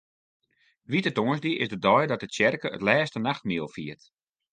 Wite Tongersdei is de dei dat de tsjerke it Lêste Nachtmiel fiert.